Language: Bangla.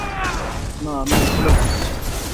না, আমি আসলে ভাবছি।